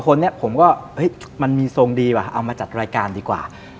คนนี้ผมก็เฮ้ยมันมีทรงดีว่ะเอามาจัดรายการดีกว่า